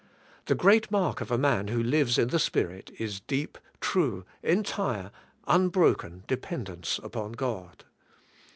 The great mark of a man who lives in the Spirit is deep, true, entire, unbroken dependence upon God.